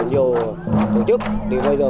nhiều tổ chức thì bây giờ